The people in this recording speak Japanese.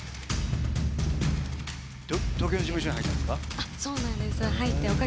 東京の事務所に入ったんですか？